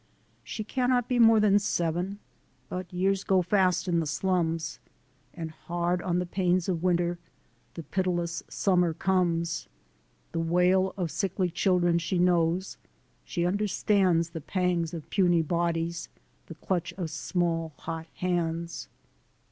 She cannot be more than seven, But years go fast in the slums; And hard on the pains of winter The pitiless summer comes; The wail of sickly children She knows ; she understands The pangs of puny bodies, The clutch of small, hot hands.